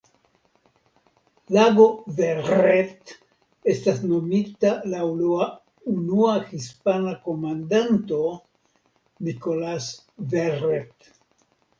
Lago Verret estas nomita laŭ la unua hispana komandanto "Nicolas Verret".